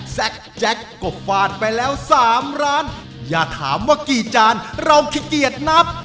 แจ็คก็ฟาดไปแล้ว๓ร้านอย่าถามว่ากี่จานเราขี้เกียจนับ